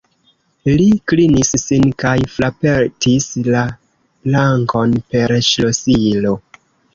Li klinis sin kaj frapetis la plankon per ŝlosilo.